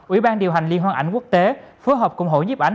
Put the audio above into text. ủy ban điều hành liên hoan ảnh quốc tế phối hợp cùng hội nhiếp ảnh